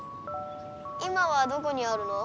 今はどこにあるの？